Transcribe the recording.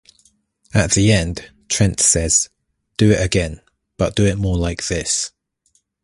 At the end, Trent says, 'Do it again, but do it more like this.